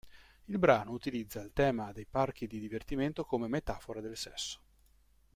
Il brano utilizza il tema dei parchi di divertimento come metafora del sesso.